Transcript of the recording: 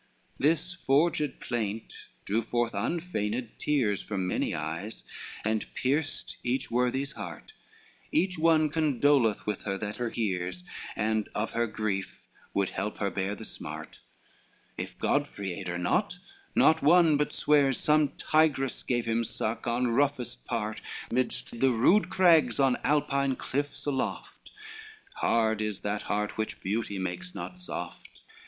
LXXVII This forged plaint drew forth unfeigned tears From many eyes, and pierced each worthy's heart; Each one condoleth with her that her hears, And of her grief would help her bear the smart: If Godfrey aid her not, not one but swears Some tigress gave him suck on roughest part Midst the rude crags, on Alpine cliffs aloft: Hard is that heart which beauty makes not soft.